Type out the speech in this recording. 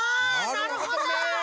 なるほどね！